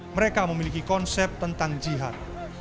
mereka memiliki konsep tentang jihad